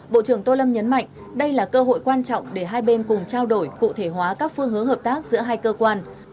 bộ trưởng tô lâm nhấn mạnh đây là cơ hội quan trọng để hai bên cùng trao đổi cụ thể hóa các phương hướng hợp tác giữa hai cơ quan